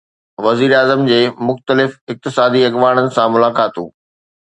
وزيراعظم جي مختلف اقتصادي اڳواڻن سان ملاقاتون